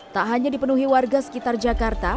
tak hanya dipenuhi warga sekitar jakarta